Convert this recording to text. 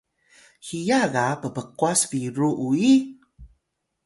hiya ga ppqwas biru uyi?